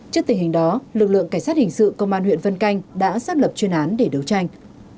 trước tình hình đó lực lượng cảnh sát hình sự công an huyện vân canh đã xác lập chuyên án để đấu tranh